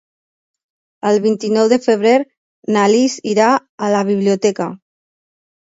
El vint-i-nou de febrer na Lis irà a la biblioteca.